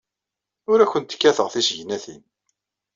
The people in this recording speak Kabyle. Ur awent-kkateɣ tisegnatin.